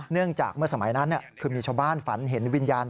เนื่องจากเมื่อสมัยนั้นคือมีชาวบ้านฝันเห็นวิญญาณ